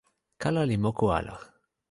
kala li moku ala.